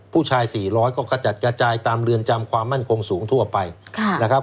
๔๐๐ก็กระจัดกระจายตามเรือนจำความมั่นคงสูงทั่วไปนะครับ